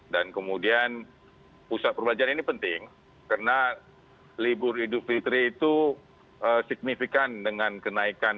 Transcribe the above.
dan kemudian pusat perbelanjaan ini penting karena libur hidup fitri itu signifikan dengan kenaikan